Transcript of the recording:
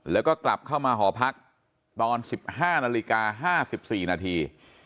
แล้วก็กลับเข้ามาหอพักตอน๑๕นาฬิกา๕๔นาที